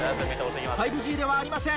５Ｇではありません。